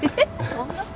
そんな事。